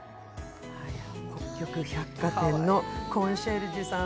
「北極百貨店のコンシェルジュさん」